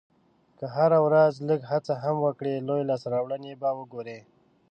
که هره ورځ لږه هڅه هم وکړې، لویې لاسته راوړنې به وګورې.